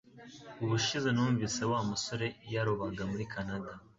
Ubushize numvise Wa musore yarobaga muri Kanada